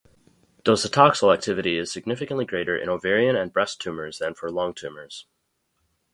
Docetaxel activity is significantly greater in ovarian and breast tumours than for lung tumours.